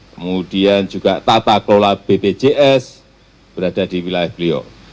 kemudian juga tata kelola bpjs berada di wilayah beliau